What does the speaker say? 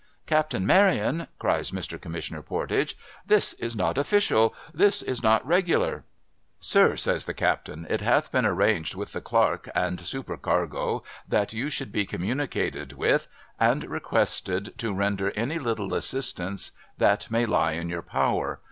' Captain Maryon,' cries Mr. Commissioner Pordage, ' this is not official. This is not regular.' ' Sir,' says the Captain, ' it hath been arranged with the clerk and supercargo, that you should be communicated with, and requested to render any little assistance that may lie in your power.